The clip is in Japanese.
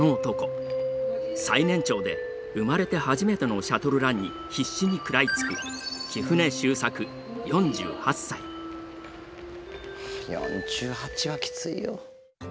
最年長で生まれて初めてのシャトルランに必死に食らいつく４８はきついよ。